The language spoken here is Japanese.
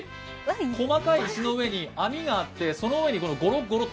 細かい石の上に網があって、その上にゴロッゴロッ。